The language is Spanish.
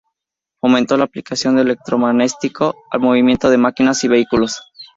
Fomentó la aplicación del electromagnetismo al movimiento de máquinas y vehículos.